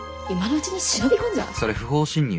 それ不法侵入。